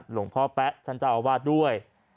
หลวงพ่อแป๊ะฉันจะเอาวาดด้วย